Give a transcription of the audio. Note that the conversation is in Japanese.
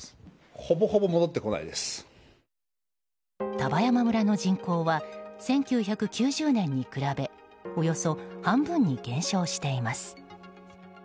丹波山村の人口は１９９０年に比べおよそ半分に減少しています。